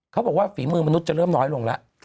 เขาบอกว่าฝีมือมนุษย์จะเริ่มน้อยลงแล้ว